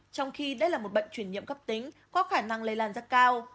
trong khi đây là một bệnh chuyển nhiễm cấp tính có khả năng lây lan rất cao